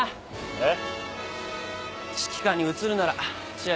えっ？